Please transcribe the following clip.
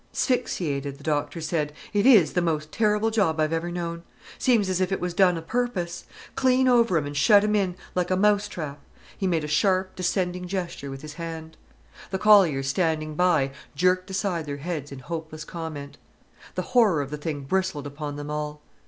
"''Sphyxiated,' the doctor said. It is the most terrible job I've ever known. Seems as if it was done o' purpose. Clean over him, an' shut 'im in, like a mouse trap"—he made a sharp, descending gesture with his hand. The colliers standing by jerked aside their heads in hopeless comment. The horror of the thing bristled upon them all.